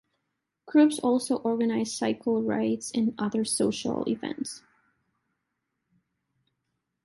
Groups also organise cycle rides and other social events.